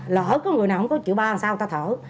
lỡ có người nào không có một triệu ba làm sao người ta thở